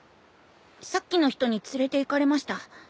さっきの人に連れていかれました。